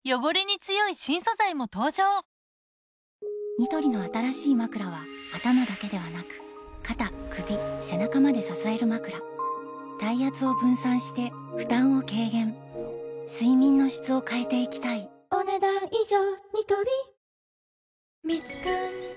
ニトリの新しいまくらは頭だけではなく肩・首・背中まで支えるまくら体圧を分散して負担を軽減睡眠の質を変えていきたいお、ねだん以上。